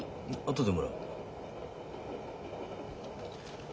後でもらう。